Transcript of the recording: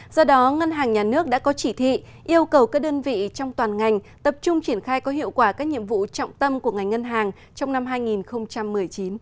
do đó ngân hàng nhà nước đã có chỉ thị yêu cầu các đơn vị trong toàn ngành tập trung triển khai có hiệu quả các nhiệm vụ trọng tâm của ngành ngân hàng trong năm hai nghìn một mươi chín